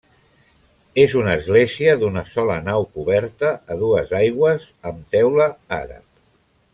És una església d'una sola nau coberta a dues aigües amb teula àrab.